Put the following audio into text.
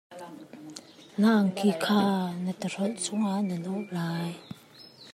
Na angki kha na tawhrolh chungah na nawh lai.